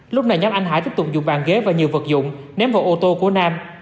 lúc này nhóm anh hải tiếp tục dùng bàn ghế và nhiều vật dụng ném vào ô tô của nam